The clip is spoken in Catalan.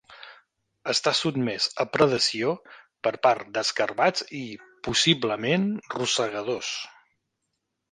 Està sotmès a predació per part d"escarabats i, possiblement, rosegadors.